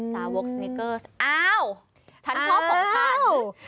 สาวกสนิกเกอร์อ้าวฉันชอบปกติ